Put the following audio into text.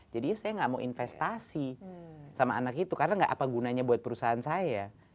jadi saya tidak mau investasi sama anak itu karena tidak apa gunanya buat perusahaan saya